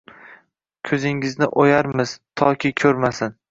-Ko’zingni o’yarmiz, toki ko’rmasin!